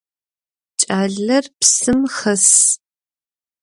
Кӏалэр псым хэс.